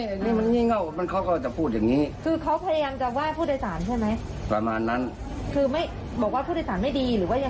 หรือเพราะอะไรเหตุผลเพราะอะไร